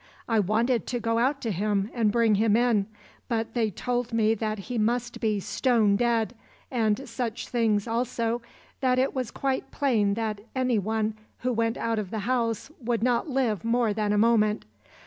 "I wanted to go out to him and bring him in. But they told me that he must be stone dead, and such things also that it was quite plain that any one who went out of the house would not live more than a moment.